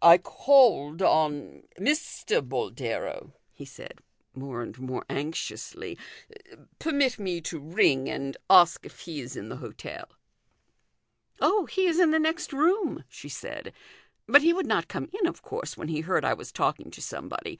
"I called on Mr. Boldero," he said, more and more anxiously ;" permit me to ring and ask if he is in the hotel." " Oh, he is in the next room," she said, " but he would not come in, of course, when he heard I was talking to somebody.